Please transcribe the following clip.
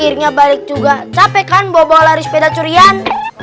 akhirnya balik juga capek kan bawa bawa lari sepeda curian